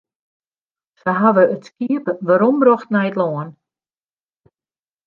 Se hawwe it skiep werombrocht nei it lân.